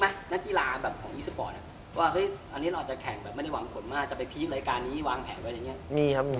ว่าอันนี้เราอาจจะแข่งแบบไม่ได้วางผลมากจะไปพีครายการนี้วางแผงไว้อย่างนี้